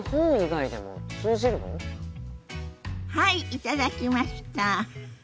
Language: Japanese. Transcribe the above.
はい頂きました！